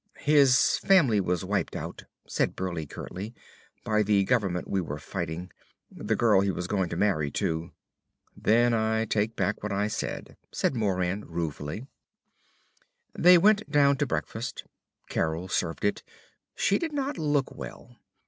"His family was wiped out," said Burleigh curtly, "by the government we were fighting. The girl he was going to marry, too." "Then I take back what I said," said Moran ruefully. They went down to breakfast. Carol served it. She did not look well.